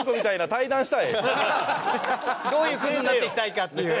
どういうクズになっていきたいかっていう。